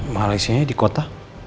malaysia nya di kota